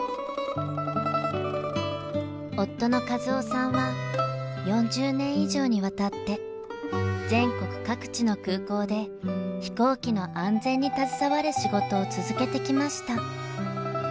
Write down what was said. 夫の一夫さんは４０年以上にわたって全国各地の空港で飛行機の安全に携わる仕事を続けてきました。